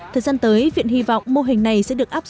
thời gian tới viện hy vọng mô hình này sẽ được áp dụng